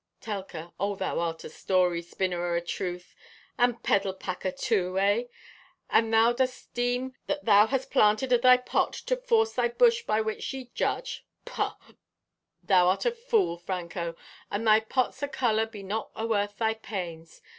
(Telka) "O, thou art a story spinner o' a truth, and peddle packer too, egh? And thou dost deem that thou hast planted o' thy pot to force thy bush by which ye judge. Paugh! Thou art a fool, Franco, and thy pots o' color be not aworth thy pains.